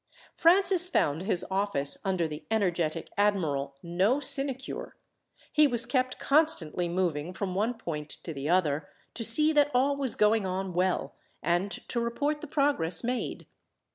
Francis found his office, under the energetic admiral, no sinecure. He was kept constantly moving from one point to the other, to see that all was going on well, and to report the progress made.